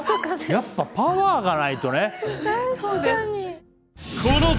やっぱパワーがないとね！